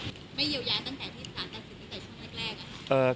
ไม่เยียวยาตั้งแต่ที่สาร๓๐ตั้งแต่ช่วงแรกครับ